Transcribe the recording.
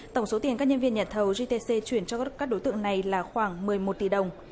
tổng số tiền các nhân viên nhà thầu gtc chuyển cho các đối tượng này là khoảng một mươi một tỷ đồng